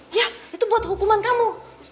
ya itu buat hukuman kamu